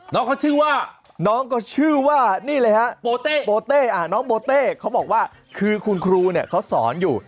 น้องเขาชื่อว่าน้องก็ชื่อว่านี่เลยฮะน้องโบเต้เขาบอกว่าคือคุณครูเนี่ยเขาสอนอยู่